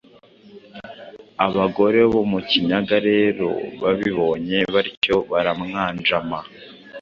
abagore bo mu kinyaga rero babibonye batyo Baramwanjama ,